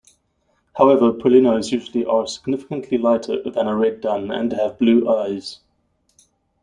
However, perlinos usually are significantly lighter than a red dun and have blue eyes.